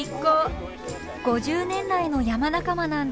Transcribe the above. ５０年来の山仲間なんですって。